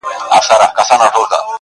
مرم د بې وخته تقاضاوو، په حجم کي د ژوند~